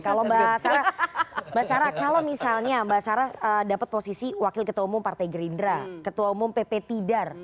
kalau mbak sarah kalau misalnya mbak sarah dapat posisi wakil ketua umum partai gerindra ketua umum pp tidar